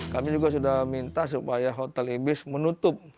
kami juga sudah minta supaya hotel ibis menutup